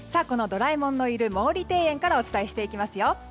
ドラえもんのいる毛利庭園からお伝えします。